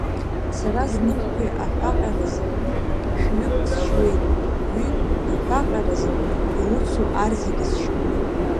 Сара зныктәи аҳәа ҟьаразы шәҩык сшьуеит, ҩынтә аҳәаҟьаразы илыцу ар зегьы сшьып.